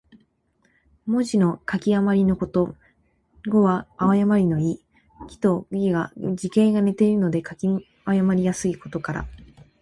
文字の書き誤りのこと。「譌」は誤りの意。「亥」と「豕」とが、字形が似ているので書き誤りやすいことから。